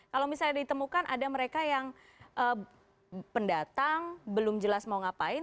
kalau misalnya ditemukan ada mereka yang pendatang belum jelas mau ngapain